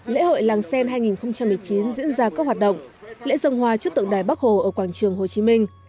lễ hội làng sen hai nghìn một mươi chín diễn ra có hoạt động lễ dân hoa trước tượng đài bắc hồ ở quảng trường hồ chí minh